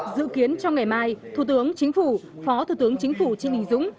dự kiến trong ngày mai thủ tướng chính phủ phó thủ tướng chính phủ trinh bình dũng